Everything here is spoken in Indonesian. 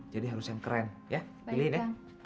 ya baiklah kamu